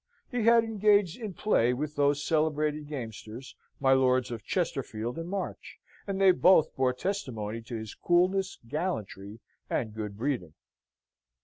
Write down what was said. He had engaged in play with those celebrated gamesters, my Lords of Chesterfield and March; and they both bore testimony to his coolness, gallantry, and good breeding.